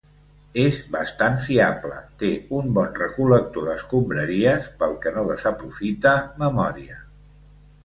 És bastant fiable, té un bon recol·lector d'escombraries, pel que no desaprofita memòria.